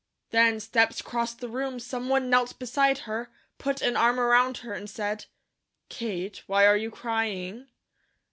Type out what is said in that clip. Then steps crossed the room, someone knelt beside her, put an arm around her and said: "Kate, why are you crying?"